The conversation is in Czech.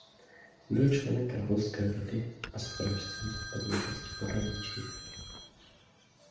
Byl členem královské rady a strážcem západní části pohraničí.